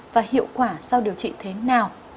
và hiệu quả sau điều trị thế nào